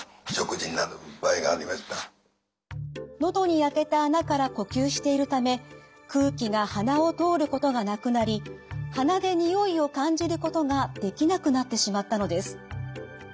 喉に開けた孔から呼吸しているため空気が鼻を通ることがなくなり鼻で匂いを感じることができなくなってしまったのです。